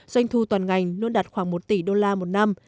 doanh thu toàn ngành luôn đạt khoảng một tỷ đô la một năm